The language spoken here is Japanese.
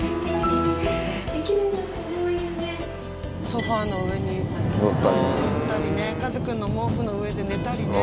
ソファの上に乗ったりねかずくんの毛布の上で寝たりね。